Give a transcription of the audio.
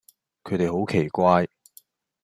佢哋好奇怪